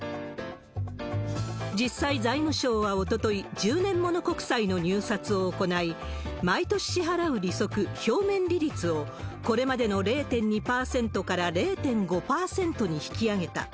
実際、財務省はおととい、１０年物国債の入札を行い、毎年支払う利息、表面利率を、これまでの０．２％から０．５％に引き上げた。